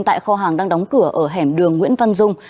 tại kho hàng đang đóng cửa ở hẻm đường nguyễn văn dung